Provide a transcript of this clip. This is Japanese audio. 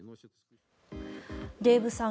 デーブさん